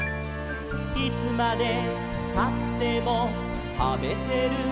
「いつまでたっても食べてるんだね」